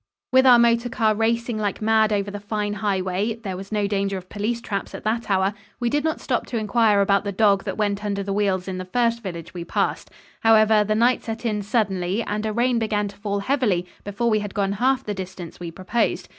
With our motor car racing like mad over the fine highway there was no danger of police traps at that hour we did not stop to inquire about the dog that went under the wheels in the first village we passed. However, the night set in suddenly and a rain began to fall heavily before we had gone half the distance we proposed.